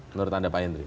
menurut anda pak hendri